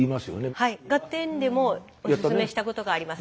はい「ガッテン！」でもおすすめしたことがあります。